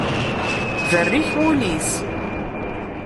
Berrik wul-is.